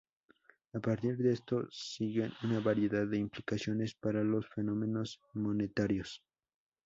A partir de esto siguen una variedad de implicaciones para los fenómenos monetarios.